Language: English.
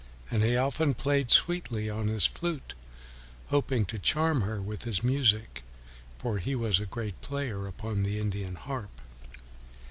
And often he played sweetly on his flute, hoping to charm her with his music, for he was a great player upon the Indian pipe.